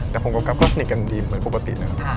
แต่ผมกับก๊อฟก็สนิทกันดีเหมือนปกตินะครับ